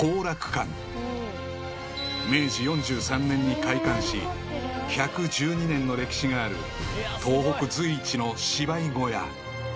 ［明治４３年に開館し１１２年の歴史がある東北随一の芝居小屋］